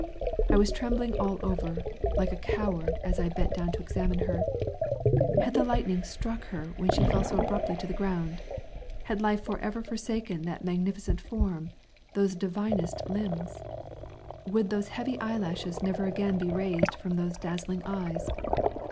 I was trembling all over like a coward as I bent down to examine her. Had the lightning struck her when she fell so abruptly to the ground? Had life forever forsaken that magnificent form, those divinest limbs? Would those heavy eyelashes never again be raised from those dazzling eyes?